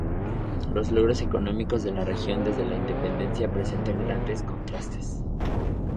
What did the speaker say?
Los logros económicos de la región desde la independencia presentan grandes contrastes.